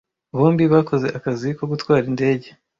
Bombi bakoze akazi ko gutwara indege